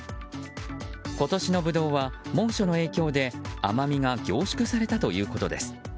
今年のブドウは猛暑の影響で甘みが凝縮されたということです。